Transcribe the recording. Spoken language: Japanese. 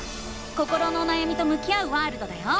心のおなやみと向き合うワールドだよ！